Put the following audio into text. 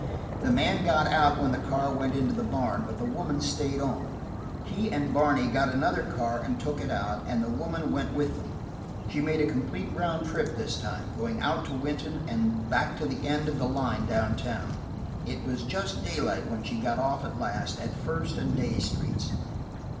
The man got out when the car went into the barn, but the woman stayed on. He and Barney got another car and took it out, and the woman went with them. She made a complete round trip this time, going out to Wynton and back to the end of the line down town. It was just daylight when she got off at last, at First and Day Streets.